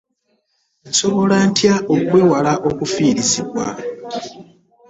Nsobola ntya okwewala okufiirizibwa?